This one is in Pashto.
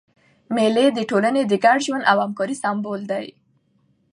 مېلې د ټولني د ګډ ژوند او همکارۍ سېمبول دي.